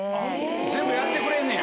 全部やってくれんねや？